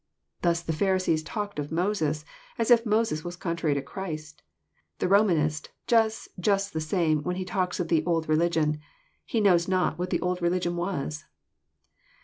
Thus the Pharisees talked of Moses, as if Moses was contrary to Christ. The Romanist does Just the same, when he talks of the *< old religion." He knows not what the old religion was.